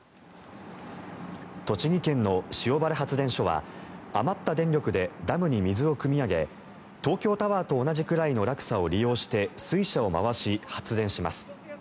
栃木県の塩原発電所は余った電力でダムに水をくみ上げ東京タワーと同じくらいの落差を利用して水車を回し発電します。